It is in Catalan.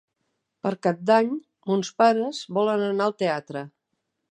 Per Cap d'Any mons pares volen anar al teatre.